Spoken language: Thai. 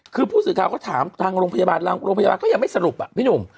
คือผู้สื่อข่าวก็ถามทางโรงพยาบาลโรงพยาบาลก็ยังไม่สรุปอ่ะพี่หนุ่ม